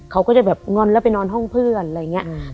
เขาก็จะแบบงอนแล้วไปนอนห้องเพื่อนอะไรอย่างนี้